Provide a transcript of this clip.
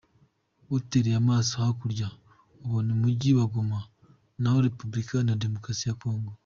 Utereye amaso hakurya, ubona umujyi wa Goma ho mu Repubulika iharanira Demokarasi ya Congo.